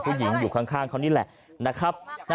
ปูพูดตรงนะอยากกดปู